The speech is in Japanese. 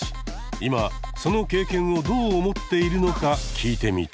今その経験をどう思っているのか聞いてみた。